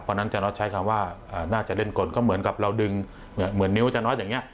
เพราะฉะนั้นจาน็อตใช้คำว่าน่าจะเล่นกลก็เหมือนกับเราดึงเหมือนนิ้วจาน็อตอย่างนี้